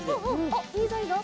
おっいいぞいいぞ